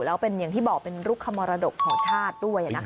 แล้วเป็นอย่างที่บอกเป็นรุกขมรดกของชาติด้วย